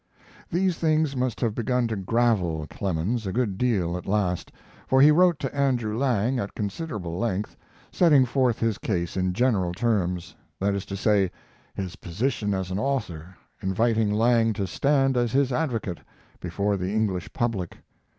These things must have begun to gravel Clemens a good deal at last, for he wrote to Andrew Lang at considerable length, setting forth his case in general terms that is to say, his position as an author inviting Lang to stand as his advocate before the English public.